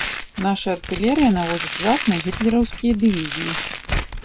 Наша артылерыя наводзіць жах на гітлераўскія дывізіі.